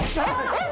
えっ？